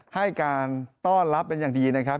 ให้การต้อนรับเป็นอย่างดีนะครับ